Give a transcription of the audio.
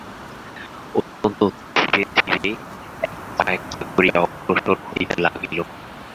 অত্যন্ত ধীরে ধীরে এক পা এক পা করিয়া অগ্রসর হইতে লাগিল।